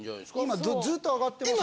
今ずっと上がってますよ。